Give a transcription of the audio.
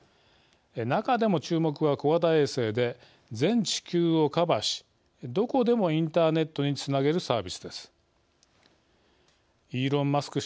中でも注目は小型衛星で全地球をカバーしどこでもインターネットにつなげるサービスです。イーロン・マスク